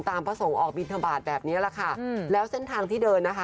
พระสงฆ์ออกบินทบาทแบบนี้แหละค่ะแล้วเส้นทางที่เดินนะคะ